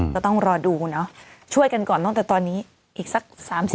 ก็ต้องรอดูนะช่วยกันก่อนตอตอนนี้อีกสัก๓๐นาที